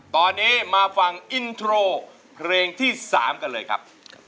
ตอนนี้มาฟังอินโทรเพลงที่๓กันเลยครับ